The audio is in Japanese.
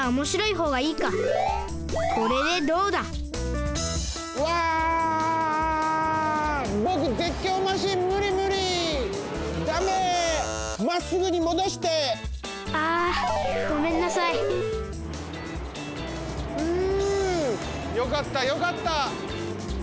ふうよかったよかった。